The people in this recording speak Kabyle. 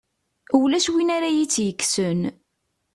Ulac win ara iyi-tt-yekksen.